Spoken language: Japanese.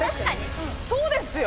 そうですよ。